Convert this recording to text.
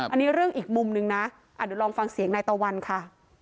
อันนี้เรื่องอีกมุมนึงนะเดี๋ยวลองฟังเสียงนายตะวันค่ะ